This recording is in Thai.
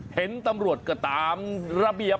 เห็นตำรวจก็ตามระเบียบ